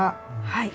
はい。